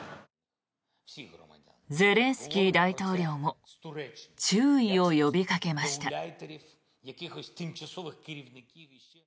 ゼレンスキー大統領も注意を呼びかけました。